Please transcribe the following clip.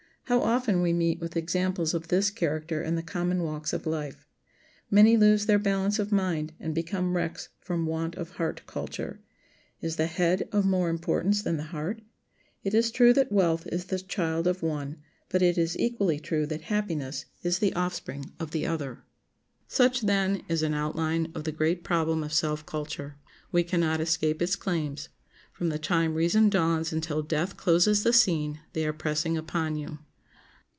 How often we meet with examples of this character in the common walks of life! Many lose their balance of mind and become wrecks from want of heart culture. Is the head of more importance than the heart? It is true that wealth is the child of the one, but it is equally true that happiness is the offspring of the other. Such, then, is an outline of the great problem of self culture. We can not escape its claims; from the time reason dawns until death closes the scene they are pressing upon you.